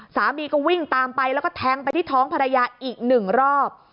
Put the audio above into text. สามีก็วิ่งตามไปแล้วก็แทงไปที่ท้องภรรยาอีกหนึ่งรอบ